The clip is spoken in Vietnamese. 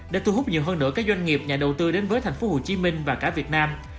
để thu hút nhiều hơn nửa các doanh nghiệp nhà đầu tư đến với thành phố hồ chí minh và cả việt nam